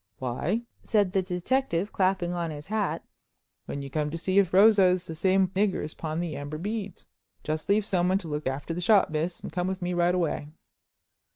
"Why," said the detective, clapping on his hat, "when you come to see if Rosa is the same nigger as pawned the amber beads. Just leave someone to look after the shop, miss, and come with me right away."